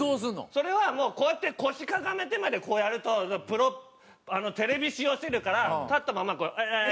それはもうこうやって腰かがめてまでこうやるとプロテレビ仕様すぎるから立ったままこう「アイアーイ！」